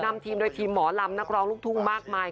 นำทีมโดยทีมหมอลำนักร้องลูกทุ่งมากมาย